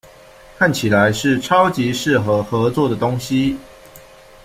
看起来是超级适合合作的东西